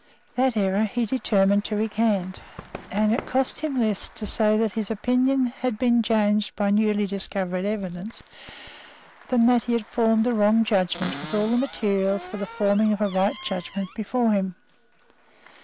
That error he determined to recant; and it cost him less to say that his opinion had been changed by newly discovered evidence, than that he had formed a wrong judgment with all the materials for the forming of a right judgment before him.